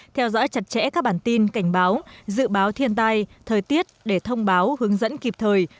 theo dõi chặt chẽ các bản tin cảnh báo dự báo thiên tai thời tiết để thông báo hướng dẫn kịp thời